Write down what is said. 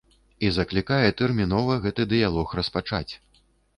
І заклікае тэрмінова гэты дыялог распачаць.